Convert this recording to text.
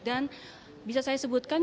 dan bisa saya sebutkan